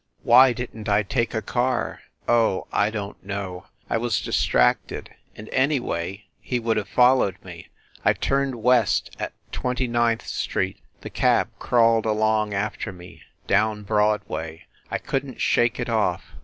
Why didn t I take a car? Oh, I don t know! I was distracted ... and, anyway, he would have followed me. ... I turned west at Twenty ninth Street ... the cab crawled along after me ... down Broadway I couldn t shake it off.